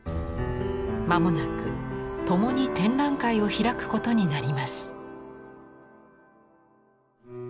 間もなく共に展覧会を開くことになります。